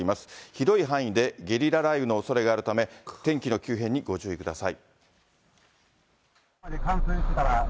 広い範囲でゲリラ雷雨のおそれがあるため、天気の急変にご注意ください。